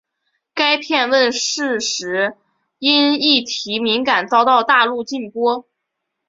该片问世时因议题敏感遭到大陆禁播。